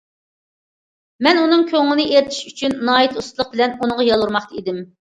مەن ئۇنىڭ كۆڭلىنى ئېرىتىش ئۈچۈن، ناھايىتى ئۇستىلىق بىلەن ئۇنىڭغا يالۋۇرماقتا ئىدىم.